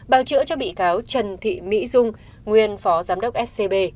bào chữa cho bị cáo trần thị mỹ dung nguyên phó giám đốc scb